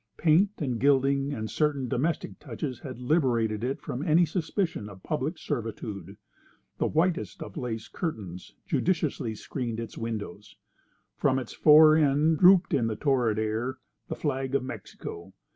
Paint and gilding and certain domestic touches had liberated it from any suspicion of public servitude. The whitest of lace curtains judiciously screened its windows. From its fore end drooped in the torrid air the flag of Mexico.